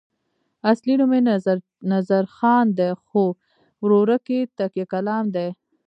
اصلي نوم یې نظرخان دی خو ورورک یې تکیه کلام دی.